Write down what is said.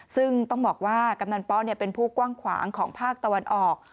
ซึ่งต้องบอกว่ากำนันป๊ะเป็นผู้กว้างขวางของภาคตะวันออก